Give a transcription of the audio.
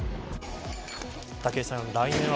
武井さん、来年は